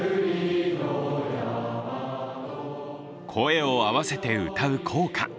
声を合わせて歌う校歌。